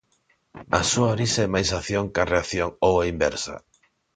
A súa orixe é máis acción ca reacción ou á inversa?